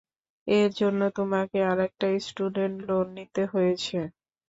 এর জন্য তোমাকে আরেকটা স্টুডেন্ট লোন নিতে হয়েছে?